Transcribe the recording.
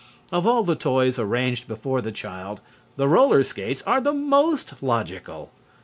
Of all the toys arranged before the child, the roller skates are the most logical.